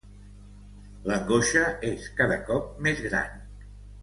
L'angoixa és cada cop més gran.